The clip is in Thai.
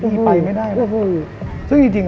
อย่างงี้ไปไม่ได้ซึ่งจริง